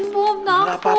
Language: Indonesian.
bapak takut banget nih bob